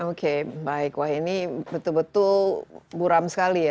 oke baik wah ini betul betul buram sekali ya